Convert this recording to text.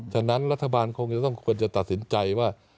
ฉะนั้นรัฐบาลคงจะต้องควรจะตัดสินใจว่า